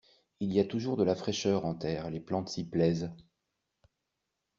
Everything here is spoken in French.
Il y a toujours de la fraîcheur en terre, les plantes s’y plaisent.